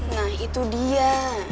nah itu dia